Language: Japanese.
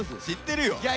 知ってるよ。